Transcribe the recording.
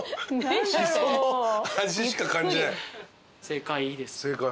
正解いいですか？